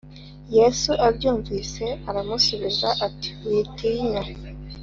Yesu abyumvise aramusubiza ati “witinya”